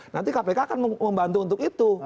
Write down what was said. nanti kpk akan membantu untuk itu